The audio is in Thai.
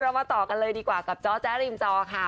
เรามาต่อกันเลยกับเจ้าแจ๊ะริมจอค่ะ